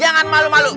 jangan malu malu